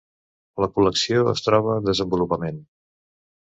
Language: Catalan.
La col·lecció es troba en desenvolupament.